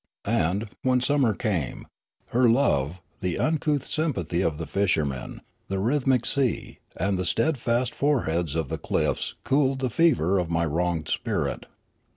And, when summer came, her love, the uncouth sympathy of the fishermen, the rhythmic sea, and the steadfast foreheads of the cliffs cooled the fever of my wronged spirit.